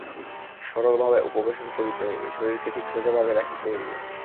সরলভাবে উপবেশন করিতে হইবে, শরীরকে ঠিক সোজাভাবে রাখিতে হইবে।